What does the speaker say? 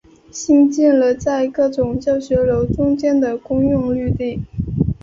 兴建了在各种教学楼中间的公用绿地。